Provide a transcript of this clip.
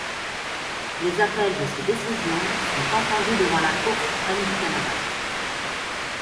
Les appels de ses décisions sont entendus devant la Cour suprême du Canada.